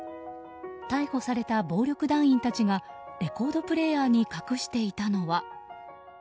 逮捕された暴力団員たちがレコードプレーヤーに隠していたのは。